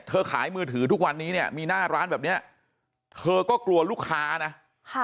ขายมือถือทุกวันนี้เนี่ยมีหน้าร้านแบบเนี้ยเธอก็กลัวลูกค้านะค่ะ